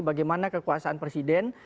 bagaimana kekuasaan presiden